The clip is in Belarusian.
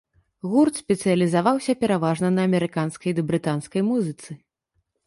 Гурт спецыялізаваўся пераважна на амерыканскай ды брытанскай музыцы.